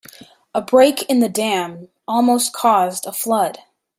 A break in the dam almost caused a flood.